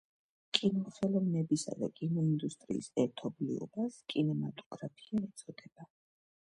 კინოხელოვნებისა და კინოინდუსტრიის ერთობლიობას კინემატოგრაფია ეწოდება.